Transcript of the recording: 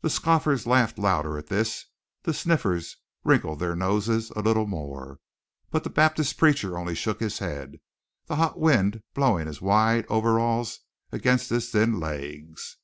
The scoffers laughed louder at this, the sniffers wrinkled their noses a little more. But the Baptist preacher only shook his head, the hot wind blowing his wide overalls against his thin legs.